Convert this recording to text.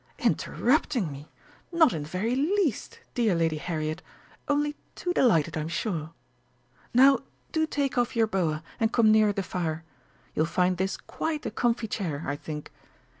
"Interrupting me? Not in the very least, dear Lady Harriet! Only too delighted, I'm sure!... Now do take off your boa, and come nearer the fire. You'll find this quite a comfy chair, I think.